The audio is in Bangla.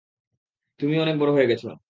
তুমিও অনেক বড় হয়ে গেছো।